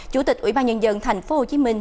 chủ tịch ủy ban nhân dân thành phố hồ chí minh